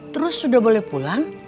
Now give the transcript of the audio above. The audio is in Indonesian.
terus sudah boleh pulang